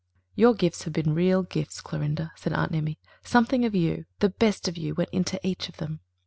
"Your gifts have been real gifts, Clorinda," said Aunt Emmy. "Something of you the best of you went into each of them."